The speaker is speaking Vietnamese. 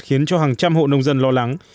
khiến cho hàng trăm hộ nông dân lo lắng